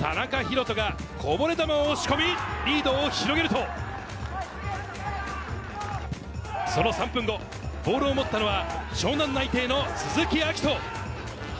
田中大翔がこぼれ球を押し込み、リードを広げると、その３分後、ボールを持ったのは湘南内定のを鈴木章斗。